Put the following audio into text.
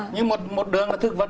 nhưng một đường là thực vật